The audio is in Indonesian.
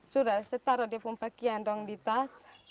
sudah saya taruh dia pakaian di tas